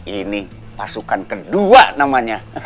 ini pasukan kedua namanya